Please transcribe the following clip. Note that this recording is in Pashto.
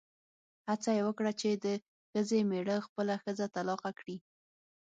هڅه یې وکړه چې د ښځې مېړه خپله ښځه طلاقه کړي.